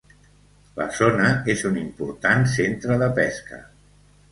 La zona és un important centre de pesca.